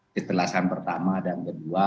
keterlasan pertama dan kedua